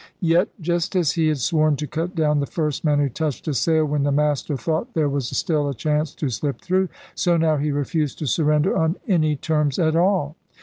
Yet, just as he had sworn to cut down the first man who touched a sail when the master thought there was still a chance to slip through, so now he refused to siu*render on any terms at all.